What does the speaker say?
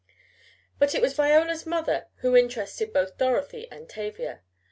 But it was Viola's mother who interested both Dorothy and Tavia.